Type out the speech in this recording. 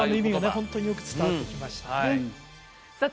ホントによく伝わってきましたねさあ